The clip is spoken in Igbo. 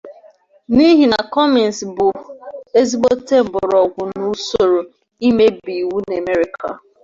n’ihi na Commings bụ ezigbote mgbọrọgwụ n’usoro imebe iwu n’Amerịka.